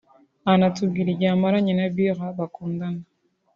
anatubwira igihe amaranye na Bilha bakundana